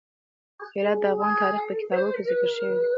هرات د افغان تاریخ په کتابونو کې ذکر شوی دي.